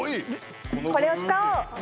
これを使おう！